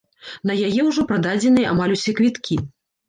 На яе ўжо прададзеныя амаль усе квіткі.